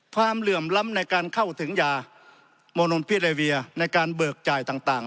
เหลื่อมล้ำในการเข้าถึงยาโมนนพิเรเวียในการเบิกจ่ายต่าง